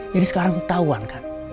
jadi sekarang tauan kan